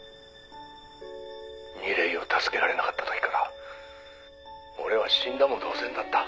「楡井を助けられなかった時から俺は死んだも同然だった」